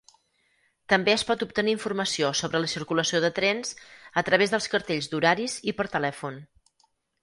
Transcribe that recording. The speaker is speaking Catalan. També es pot obtenir informació sobre la circulació de trens a través dels cartells d'horaris i per telèfon.